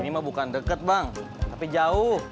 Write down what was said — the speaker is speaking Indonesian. ini mah bukan dekat bang tapi jauh